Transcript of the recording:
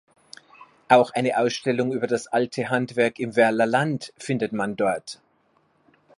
Auch eine Ausstellung über das alte Handwerk im Verler Land findet man dort.